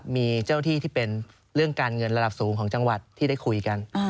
มีเจ้าที่ที่เป็นเรื่องการเงินระดับสูงของจังหวัดที่ได้คุยกัน